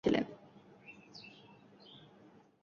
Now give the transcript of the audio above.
তিনি একই সাথে লিনিয়ান সোসাইটি ও রয়েল সোসাইটির ফেলো ছিলেন।